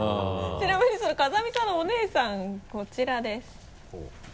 ちなみに風見さんのお姉さんこちらです。